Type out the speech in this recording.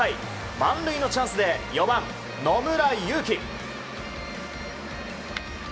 満塁のチャンスで４番、野村佑希。